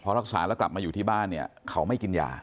รักษาแล้วกลับมาอยู่ที่บ้านเนี่ยเขาไม่กินยา